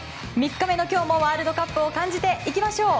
３日目の今日もワールドカップを感じていきましょう。